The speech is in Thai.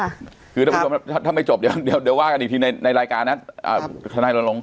ค่ะคือถ้าถ้าไม่จบเดี๋ยวเดี๋ยวว่ากันอีกทีในในรายการน่ะอ่าขนาดลงลง